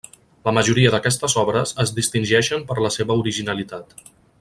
La majoria d'aquestes obres es distingeixen per la seva originalitat.